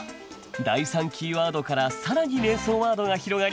第３キーワードから更に連想ワードが広がり